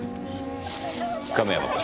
亀山君。